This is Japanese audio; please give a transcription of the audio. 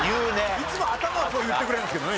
いつも頭はそう言ってくれるんですけどね。